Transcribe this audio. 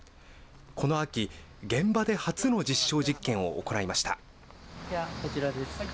この秋、現場で初の実証実験を行いました。